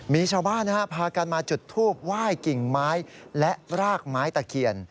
มีชาวบ้านพากันมาจุดทูบไหว้กิ่งไม้และรากไม้ตะเคียน